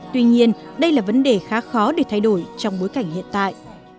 tuy nhiên đây là vấn đề khá khó để thay đổi trong bối cảnh hiện tại